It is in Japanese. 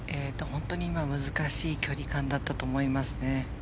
本当に難しい距離感だったと思います。